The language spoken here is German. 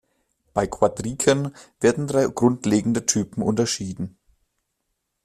Bei Quadriken werden drei grundlegende Typen unterschieden.